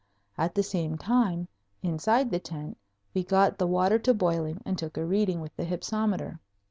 At the same time, inside the tent we got the water to boiling and took a reading with the hypsometer.